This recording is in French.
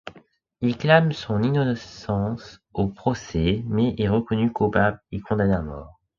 Il clame son innocence au procès, mais est reconnu coupable et condamné à mort.